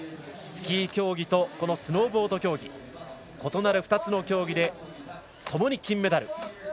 スキー競技とスノーボード競技異なる２つの競技でともに金メダル。